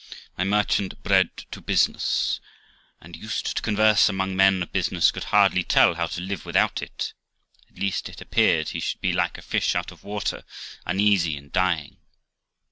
My merchant, bred to business and used to converse among men of business, could hardly tell how to live without it; at least it appeared he should be like a fish out of water, uneasy and dying.